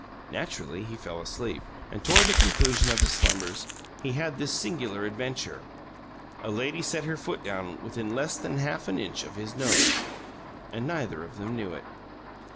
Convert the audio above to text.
Naturally, he fell asleep. And toward the conclusion of his slumbers, he had this singular adventure: a lady set her foot down within less than half an inch of his nose and neither of them knew it.